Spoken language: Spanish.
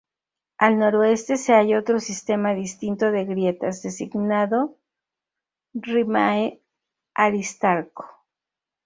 Al noroeste se halla otro sistema distinto de grietas, designado Rimae Aristarco.